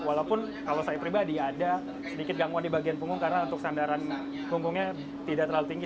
walaupun kalau saya pribadi ada sedikit gangguan di bagian punggung karena untuk sandaran punggungnya tidak terlalu tinggi